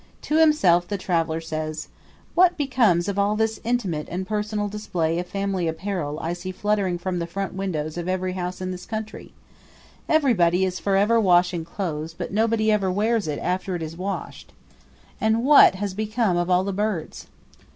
To himself the traveler says: "What becomes of all this intimate and personal display of family apparel I see fluttering from the front windows of every house in this country? Everybody is forever washing clothes but nobody ever wears it after it is washed. And what has become of all the birds?"